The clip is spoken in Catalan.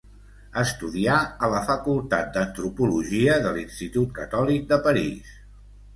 Estudià a la Facultat d'Antropologia de l'Institut Catòlic de París.